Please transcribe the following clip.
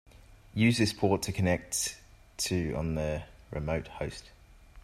Use this port to connect to on the remote host.